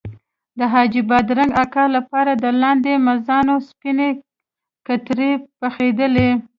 د حاجي بادرنګ اکا لپاره د لاندې مږانو سپینې کترې پخېدلې.